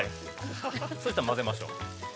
そしたら混ぜましょう。